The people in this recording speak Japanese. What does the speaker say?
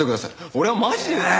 俺はマジで。